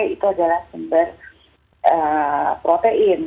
itu adalah sumber protein